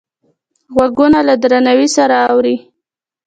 غوږونه له درناوي سره اوري